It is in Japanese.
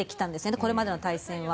これまでの対戦は。